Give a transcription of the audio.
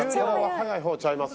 早いほうちゃいます？